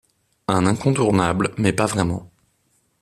Un incontournable mais pas vraiment